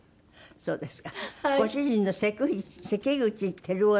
そうですね。